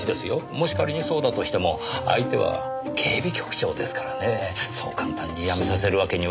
もし仮にそうだとしても相手は警備局長ですからねそう簡単に辞めさせるわけには。